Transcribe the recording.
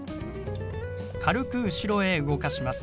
軽く後ろへ動かします。